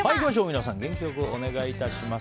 皆さん、元気良くお願いします。